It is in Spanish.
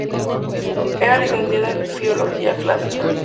Era licenciada en Filología Clásica.